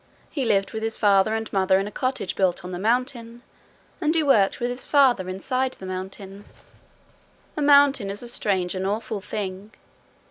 He lived with his father and mother in a cottage built on a mountain, and he worked with his father inside the mountain. A mountain is a strange and awful thing.